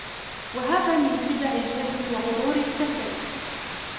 وَهَذَا مِنْ خِدَعِ الْجَهْلِ وَغُرُورِ الْكَسَلِ